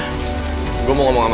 hai aku masih dalamnya